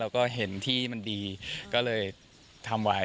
ก็เห็นที่มันดีก็เลยทำไว้